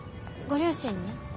ご両親に？